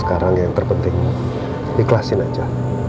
sekarang yang terpenting ikhlasin aja